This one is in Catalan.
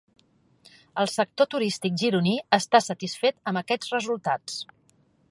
El sector turístic gironí està satisfet amb aquests resultats.